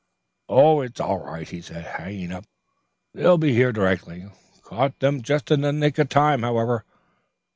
"It's all right," he said, hanging up. "They'll be here directly. Caught them just in the nick of time, however.